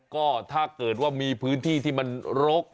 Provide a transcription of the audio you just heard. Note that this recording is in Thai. ก็ถ้าเกิดว่ามีพื้นที่ที่มันรก